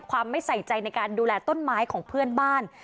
ไม่ใส่ใจในการดูแลต้นไม้ของเพื่อนบ้าน